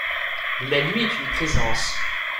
La nuit est une présence.